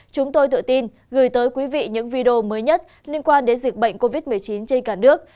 chúng tôi tự tin gửi tới quý vị những video mới nhất liên quan đến dịch bệnh covid một mươi chín trên cả nước